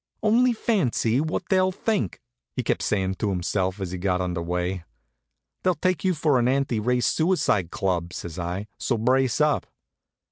"Only fancy what they'll think!" he kept sayin' to himself as we got under way. "They'll take you for an anti race suicide club," says I; "so brace up."